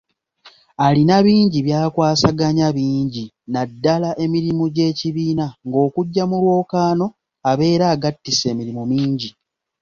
Alina bingi by'akwasaganya bingi naddala emirimu gy'ekibiina ng'okujja mu lwokaano abeera agattise emirimu mingi.